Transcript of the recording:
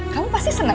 tentang mari kilat